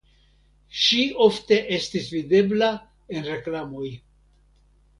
Ŝi ofte estis videbla en reklamoj.